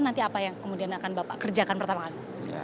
nanti apa yang kemudian akan bapak kerjakan pertama kali